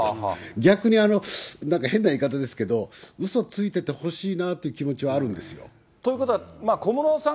逆になんか変な言い方ですけど、うそついててほしいなという気持ちはあるんですよ。ということは、小室さん